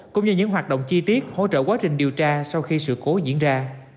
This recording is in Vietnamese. cũng như những hoạt động chi tiết hỗ trợ quá trình điều tra sau khi sự cố diễn ra